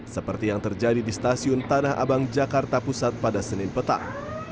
seperti yang terjadi di stasiun tanah abang jakarta pusat pada senin petang